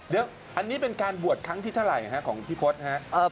เดี๋ยวอันนี้เป็นการบวชครั้งที่เท่าไหร่ของพี่พศครับ